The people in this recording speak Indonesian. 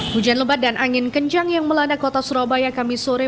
hujan lebat dan angin kencang yang melanda kota surabaya kami sore